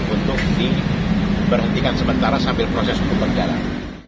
untuk diberhentikan sementara sambil proses bergerak